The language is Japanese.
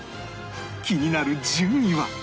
気になる順位は？